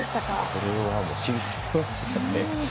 これは、しびれましたね。